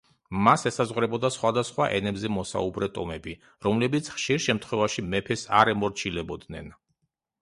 მას ესაზღვრებოდა სხვადასხვა ენებზე მოსაუბრე ტომები, რომლებიც ხშირ შემთხვევაში მეფეს არ ემორჩილებოდნენ.